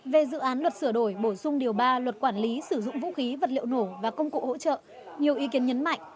về dự án luật sửa đổi bổ sung điều ba luật quản lý sử dụng vũ khí vật liệu nổ và công cụ hỗ trợ nhiều ý kiến nhấn mạnh